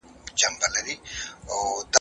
ټولنیزې اړیکي سړې سوې دي.